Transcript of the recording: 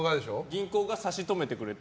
銀行が差し止めてくれて。